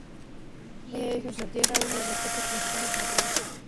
Es, nuestra tierra, uno de los focos principales de la Península.